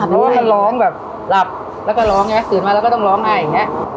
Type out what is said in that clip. ดูว่าก็ล้องแบบหวัดแล้วก็ร้องไงฝืนมาแล้วก็ต้องร้องไห้แบบก็